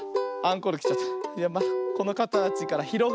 このかたちからひろがってはい。